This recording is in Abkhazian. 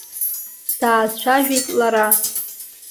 Даацәажәеит лара.